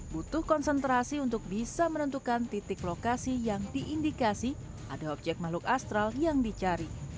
butuh konsentrasi untuk bisa menentukan titik lokasi yang diindikasi ada objek makhluk astral yang dicari